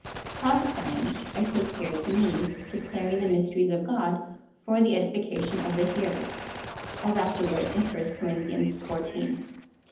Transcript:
Frojihesying I take here to mean — declaring the mysteries of God for the edification of the hearers, (as afterwards in chapter xiv.)